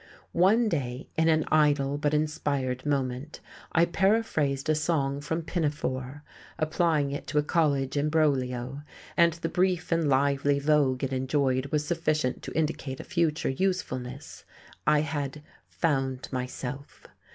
One day, in an idle but inspired moment, I paraphrased a song from "Pinafore," applying it to a college embroglio, and the brief and lively vogue it enjoyed was sufficient to indicate a future usefulness. I had "found myself."